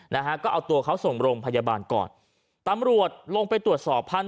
นะฮะก็เอาตัวเขาส่งโรงพยาบาลก่อนตำรวจลงไปตรวจสอบพันธ